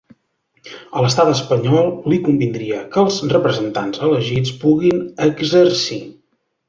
A l’estat espanyol li convindria que els representants elegits puguin exercir.